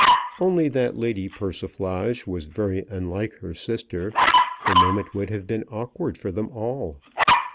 Only that Lady Persiflage was very unlike her sister, the moment would have been awkward for them all.